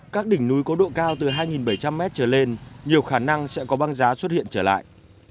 các đỉnh núi có độ cao từ hai bảy trăm linh m trở lên nhiều khả năng sẽ có băng giá xuất hiện trở lại